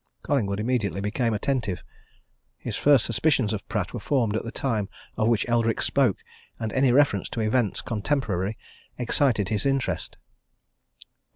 Collingwood immediately became attentive. His first suspicions of Pratt were formed at the time of which Eldrick spoke, and any reference to events contemporary excited his interest.